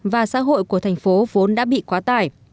và xã hội của thành phố vốn đã bị quá tải